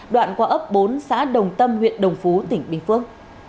đoạn qua ấp bốn xã đồng tâm huyện đồng phú tỉnh bình phước